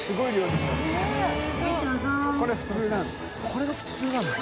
これが普通なんです？